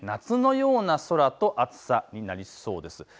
夏のような空と暑さになりそうです。